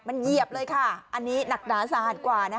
มันเหยียบเลยค่ะอันนี้หนักหนาสาหัสกว่านะคะ